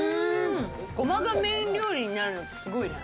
ゴマがメイン料理なるのってすごい。